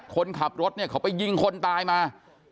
คนขับรถเนี่ยเขาไปยิงคนตายมา